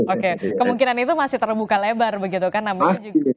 oke kemungkinan itu masih terbuka lebar begitu kan